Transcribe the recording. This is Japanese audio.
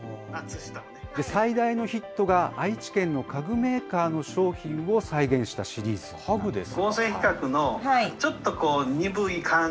最大のヒットが、愛知県の家具メーカーの商品を再現したシリーズ家具ですか。